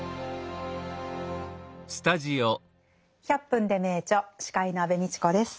「１００分ｄｅ名著」司会の安部みちこです。